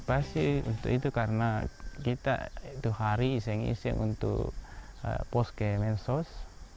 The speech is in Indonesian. pertipas sih untuk itu karena kita itu hari iseng ising untuk pos ke mensos